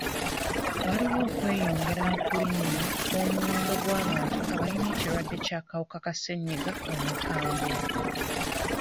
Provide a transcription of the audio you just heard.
Waliwo okweyongera mu kulinnya kw'omuwendo gw'abantu abayina ekirwadde ky'akawuka ka ssennyiga omukambwe.